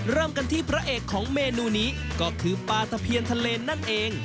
เริ่มกันที่พระเอกของเมนูนี้ก็คือปลาตะเพียนทะเลนั่นเอง